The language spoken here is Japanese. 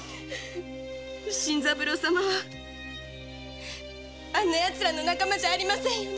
新三郎様はあんなヤツらの仲間じゃありませんよね。